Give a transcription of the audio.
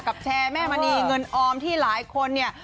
แชร์แม่มณีเงินออมที่หลายคนเนี่ย